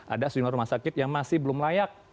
ada sejumlah rumah sakit yang masih belum layak